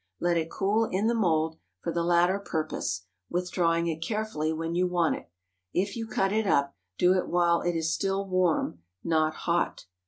Let it cool in the mould, for the latter purpose, withdrawing it carefully when you want it. If you cut it up, do it while it is still warm—not hot.